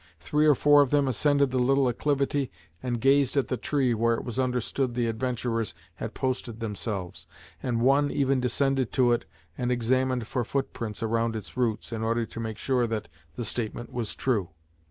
Three or four of them ascended the little acclivity and gazed at the tree where it was understood the adventurers had posted themselves, and one even descended to it, and examined for foot prints around its roots, in order to make sure that the statement was true.